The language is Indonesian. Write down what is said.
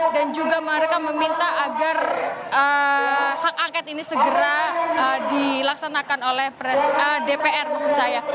dan juga mereka meminta agar hak angket ini segera dilaksanakan oleh dpr maksud saya